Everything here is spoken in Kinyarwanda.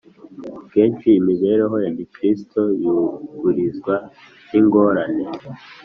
kenshi imibereho ya gikristo yugarizwa n’ingorane,